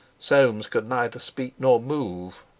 Soames could neither speak nor move.